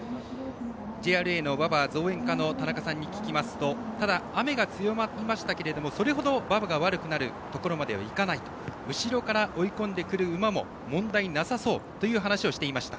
ＪＲＡの馬場造園課の田中さんに聞きますとただ、雨が強まりましたけれどもそれほど馬場が悪くなるところまではいかない後ろから追い込んでくる馬も問題なさそうという話をしていました。